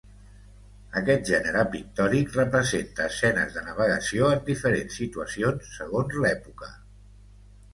Aquest gènere pictòric representa escenes de navegació en diferents situacions segons l'època.